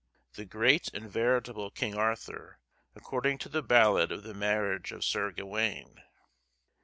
The great and veritable King Arthur, according to the ballad of the "Marriage of Sir Gawaine,"—